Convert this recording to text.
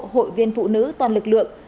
hội viên phụ nữ toàn lực lượng